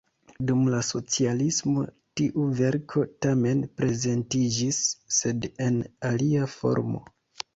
Dum la socialismo tiu verko tamen prezentiĝis, sed en alia formo.